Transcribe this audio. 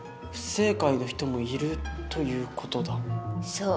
そう。